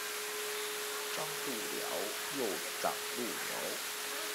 张路寮又掌路寮。